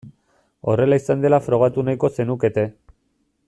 Horrela izan dela frogatu nahiko zenukete.